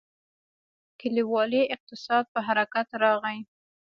کلیوالي اقتصاد په حرکت راغی.